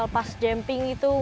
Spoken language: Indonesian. pas jemping itu